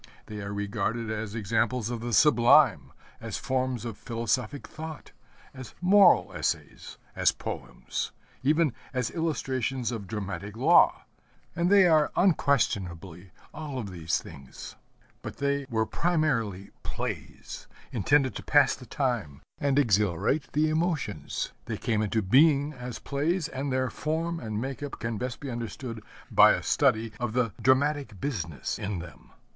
They are regarded as examples of the sublime, as forms of philosophic thought, as moral essays, as poems, even as illustrations of dramatic law, and they are unquestionably all of these things. But they were primarily plays intended to pass the time and exhilarate the emotions. They came into being as plays, and their form and make up can best be understood by a study of the dramatic business in them.